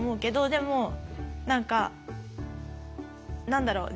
でも何か何だろう。